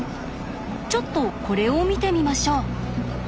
ちょっとこれを見てみましょう。